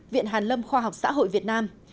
viện hàn lâm khoa học xã hội việt nam